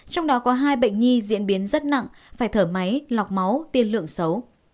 trong đó có hai bệnh nhi diễn biến rất nặng phải thở máy lọc máu tiên lượng xấu